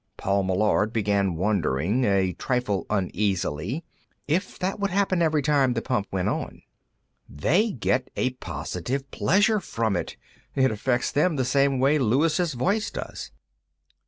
Paul Meillard began wondering, a trifle uneasily, if that would happen every time the pump went on. "They get a positive pleasure from it. It affects them the same way Luis' voice does."